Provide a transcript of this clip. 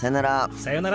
さよなら。